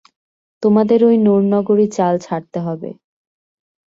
তোমাদের ঐ নুরনগরি চাল ছাড়তে হবে।